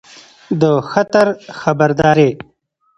د خطر خبرداری